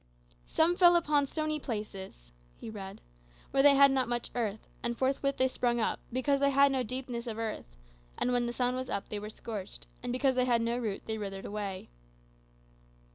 "'Some fell upon stony places,'" he read, "'where they had not much earth; and forthwith they sprung up, because they had no deepness of earth: and when the sun was up, they were scorched; and, because they had no root, they withered away.